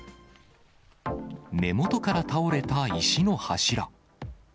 根元から倒れた石の柱。